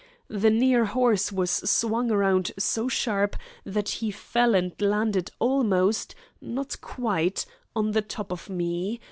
The near horse was swung round so sharp that he fell and landed almost, not quite, on the top of me.